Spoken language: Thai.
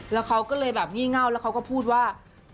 แล้วเขาก็เลยแบบงี่เง่าแล้วเขาก็พูดว่า